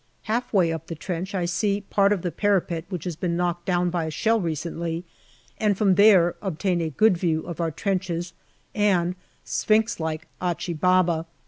Half way up the trench, I see part of the parapet which has been knocked down by a shell recently, and from there obtain a good view of our trenches and Sphinx like Achi Baba.